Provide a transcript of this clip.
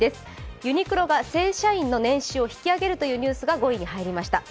ユニクロが正社員の年収を引き上げるというニュースが５位に入りました。